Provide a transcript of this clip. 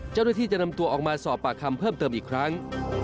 เจ้าหน้าที่จะนำตัวออกมาสอบปากคำเพิ่มเติมอีกครั้ง